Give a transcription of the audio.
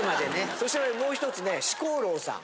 そしてもう１つね四興樓さん。